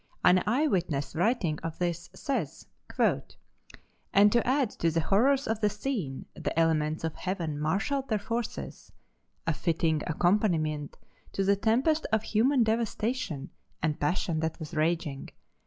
An eye witness writing of this says: "And to add to the horrors of the scene, the elements of Heaven marshaled their forces a fitting accompaniment to the tempest of human devastation and passion that was raging.